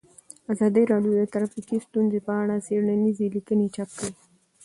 ازادي راډیو د ټرافیکي ستونزې په اړه څېړنیزې لیکنې چاپ کړي.